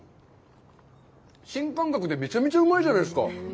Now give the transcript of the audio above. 新感覚で、めちゃめちゃうまいじゃないですか！